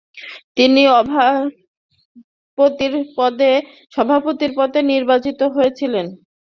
তিনি সভাপতির পদে নির্বাচিত হয়েছিলেন।